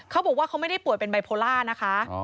เขาบอกว่าเขาไม่ได้ป่วยเป็นไบโพล่านะคะ